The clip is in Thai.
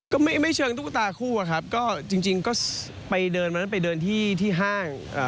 ก็ไม่ไม่เชิงตุ๊กตาคู่อะครับก็จริงจริงก็ไปเดินวันนั้นไปเดินที่ที่ห้าง